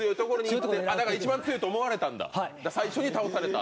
だから一番強いと思われたんだ、それで最初に倒された。